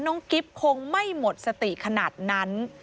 กิ๊บคงไม่หมดสติขนาดนั้น